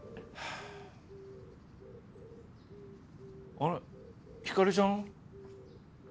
あれっひかりちゃん？